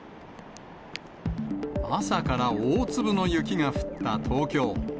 朝から大粒の雪が降った東京。